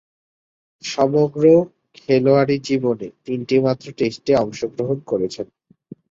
সমগ্র খেলোয়াড়ী জীবনে তিনটিমাত্র টেস্টে অংশগ্রহণ করেছেন।